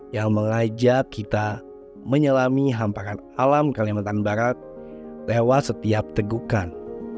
yang mengajak kita menyelami hamparan alam kalimantan barat lewat setiap tegukan